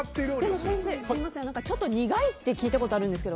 でも先生、ちょっと苦いって聞いたことありますが。